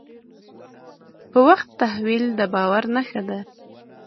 په وخت تحویل د باور نښه ده.